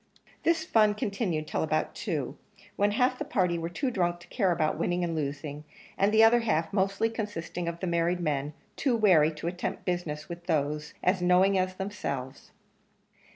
This fun continued till about two, when half the party were too drunk to care about winning and losing and the other half, mostly consisting of the married men, too wary to attempt business with those as knowing as themselves.